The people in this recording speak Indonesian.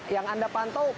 yang anda pantau